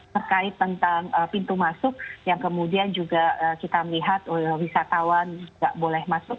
terkait tentang pintu masuk yang kemudian juga kita melihat wisatawan tidak boleh masuk